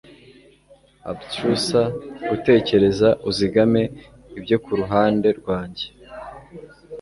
Abstruser gutekereza uzigame ibyo kuruhande rwanjye